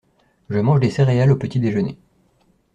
Je mange des céréales au petit déjeuner.